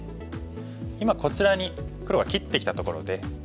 今こちらに黒が切ってきたところで。